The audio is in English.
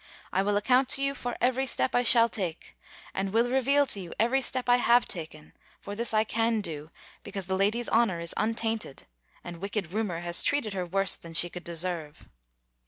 I will account to you for every step I shall take, and will reveal to you every step I have taken: for this I can do, because the lady's honour is untainted, and wicked rumour has treated her worse than she could deserve."